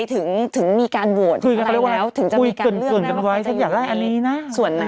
ถึงจะมีการเลือกอันนี้นะ